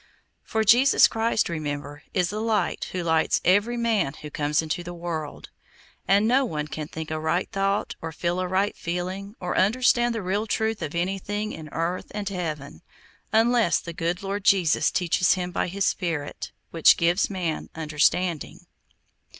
For Jesus Christ, remember, is the Light who lights every man who comes into the world. And no one can think a right thought, or feel a right feeling, or understand the real truth of anything in earth and heaven, unless the good Lord Jesus teaches him by His Spirit, which gives man understanding.